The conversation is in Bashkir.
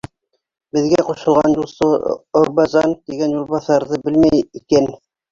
Беҙгә ҡушылған юлсы Орбазан тигән юлбаҫарҙы белмәй икән.